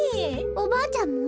おばあちゃんも？